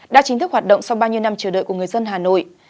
đã chính thức hoạt động sau bao nhiêu năm chờ đợi của người dân hà nội